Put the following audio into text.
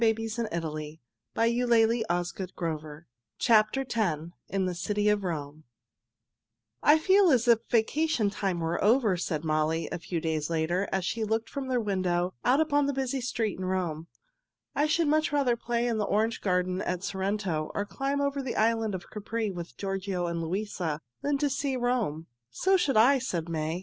[Illustration: In the City of Rome] IN THE CITY OF ROME "I feel as if vacation time were over," said Molly, a few days later, as she looked from their window out upon a busy street in Rome. "I should much rather play in the orange garden at Sorrento or climb over the island of Capri with Giorgio and Luisa than to see Rome." "So should I!" said May.